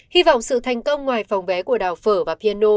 hy vọng sự thành công ngoài phòng vé của đảo phở và piano